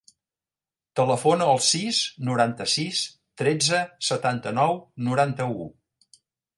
Telefona al sis, noranta-sis, tretze, setanta-nou, noranta-u.